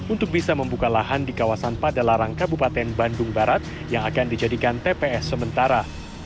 untuk bisa membuka lahan di kawasan padalarang kabupaten bandung barat yang akan dijadikan tps sementara